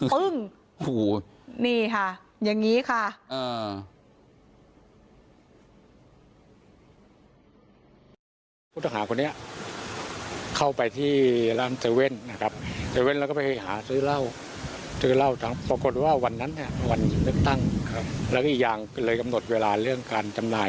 คุยกับตำรวจไม่รู้คุยอะไรไม่ได้ยินเสียงนะ